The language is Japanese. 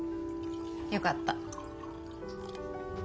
よかった。